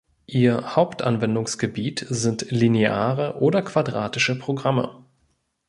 Ihr Hauptanwendungsgebiet sind lineare oder quadratische Programme.